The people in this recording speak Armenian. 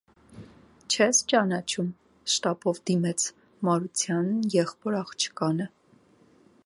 - Չե՞ս ճանաչում,- շտապով դիմեց Մարությանն եղբոր աղջկանը: